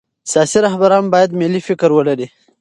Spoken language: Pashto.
سیاسي رهبران باید ملي فکر ولري